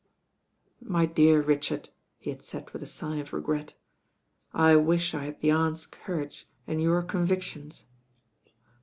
"My dear Richard," he had said with a sigh of regret, "I wish I had the Aunt's courage and your convictions."